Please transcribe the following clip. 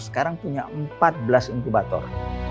sekarang punya empat belas inkubator